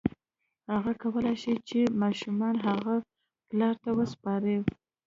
هغه کولی شي چې ماشوم هغه پلار ته وسپاري.